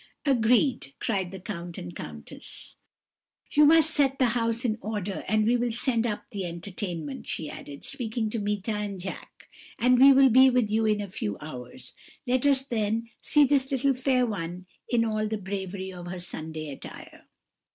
"'Agreed,' cried the count and countess; 'you must set the house in order, and we will send up the entertainment,' she added, speaking to Meeta and Jacques; 'and we will be with you in a few hours. Let us then see this little fair one in all the bravery of her Sunday attire.'